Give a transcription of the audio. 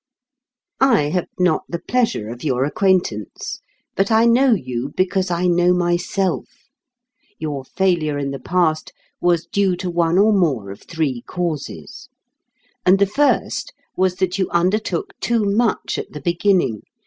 I have not the pleasure of your acquaintance. But I know you because I know myself. Your failure in the past was due to one or more of three causes. And the first was that you undertook too much at the beginning.